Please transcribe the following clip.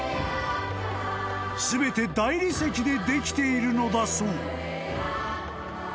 ［全て大理石でできているのだそう］